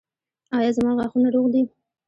ایا زما غاښونه روغ دي؟